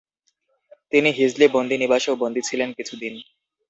তিনি হিজলি বন্দি নিবাসেও বন্দি ছিলেন কিছুদিন।